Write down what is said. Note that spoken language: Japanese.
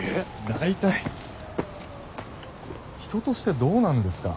大体人としてどうなんですか？